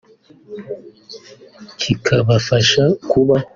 kikabafasha kubaho